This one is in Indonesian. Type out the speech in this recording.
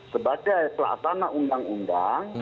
sebagai pelaksana undang undang